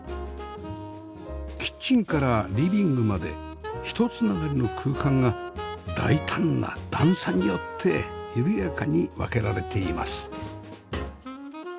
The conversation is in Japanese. キッチンからリビングまでひと繋がりの空間が大胆な段差によって緩やかに分けられています